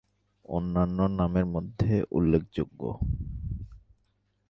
অন্যান্য নামের মধ্যে উল্লেখযোগ্য।